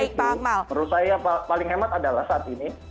karena itu menurut saya paling hemat adalah saat ini